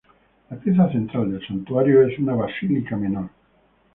La pieza central del santuario es una basílica menor.